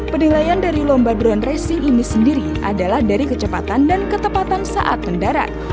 penilaian dari lomba drone racing ini sendiri adalah dari kecepatan dan ketepatan saat mendarat